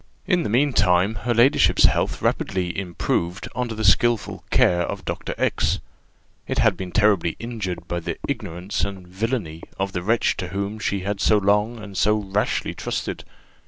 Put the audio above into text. In the meantime her ladyship's health rapidly improved under the skilful care of Dr. X : it had been terribly injured by the ignorance and villany of the wretch to whom she had so long and so rashly trusted.